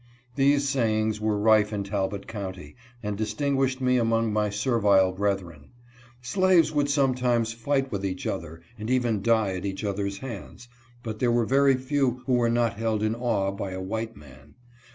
These sayings were rife in Talbot County and distinguished me among my ser vile brethren. Slaves would sometimes fight with each other, and even die at each other's hands, but there were very few who were not held in awe by a white man.